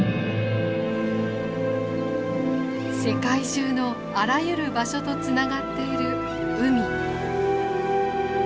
世界中のあらゆる場所とつながっている海。